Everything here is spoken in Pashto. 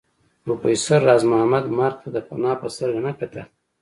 پروفېسر راز محمد مرګ ته د فناء په سترګه نه کتل